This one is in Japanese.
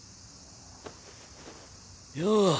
よう